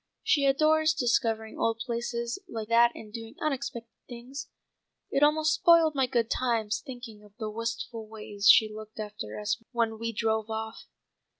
She adores discovering old places like that and doing unexpected things. It almost spoiled my good times thinking of the wistful way she looked after us when we drove off."